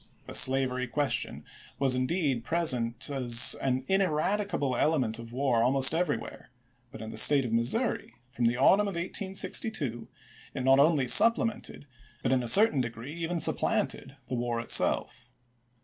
The slavery question was indeed present as an ineradicable element of war almost everywhere, but in the State of Missouri, from the autumn of 1862, it not only supplemented, but in a certain degree even supplanted, the war itself.